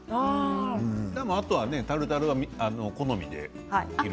あとタルタルは好みで。